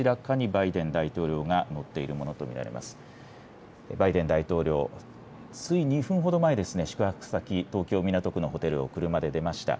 バイデン大統領、つい２分ほど前ですね、宿泊先、東京・港区のホテルを車で出ました。